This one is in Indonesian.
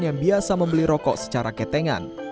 yang biasa membeli rokok secara ketengan